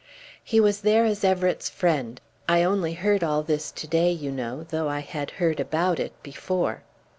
"He was there as Everett's friend. I only heard all this to day, you know; though I had heard about it before."